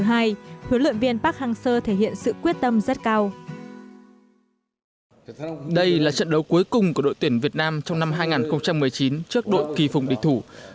huấn luyện viên park hang seo thể hiện sự quyết định